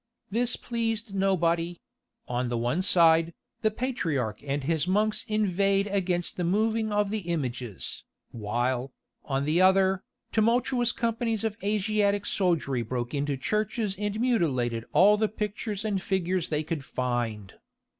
This pleased nobody; on the one side, the patriarch and his monks inveighed against the moving of the images, while, on the other, tumultuous companies of Asiatic soldiery broke into churches and mutilated all the pictures and figures they could find.